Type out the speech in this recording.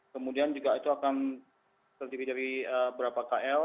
kemudian juga itu akan terdiri dari berapa kl